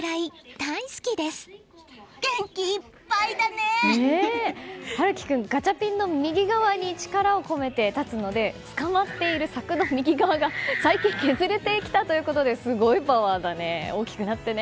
大輝君ガチャピンの右側に力を込めて立つのでつかまっている柵の右側が最近、削れてきたということですごいパワーだね。